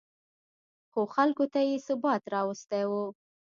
خو خلکو ته یې ثبات راوستی و